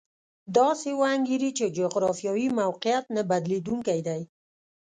داسې وانګېري چې جغرافیوي موقعیت نه بدلېدونکی دی.